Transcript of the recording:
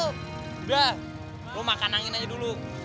udah lo makan angin aja dulu